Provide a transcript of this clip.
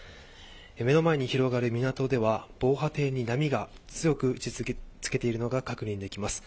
目の前に広がる港では、防波堤に波が強く打ち付けているのが確認できます。